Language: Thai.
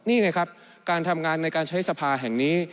นี่ไงครับการทำงานในการใช้สภาแห่งนี้